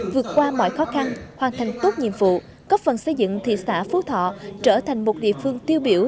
vượt qua mọi khó khăn hoàn thành tốt nhiệm vụ cấp phần xây dựng thị xã phú thọ trở thành một địa phương tiêu biểu